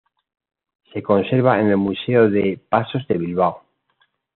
Se conserva en el Museo de Pasos de Bilbao.